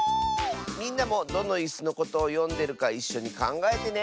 みんなもどのいすのことをよんでるかいっしょにかんがえてね！